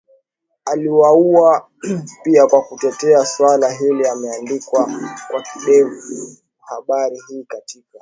aliuwawa pia kwa kutetea swala hili imeandikwa kwa kidefu habari hii katika